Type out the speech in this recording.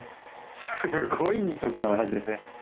すごい二足のわらじですね。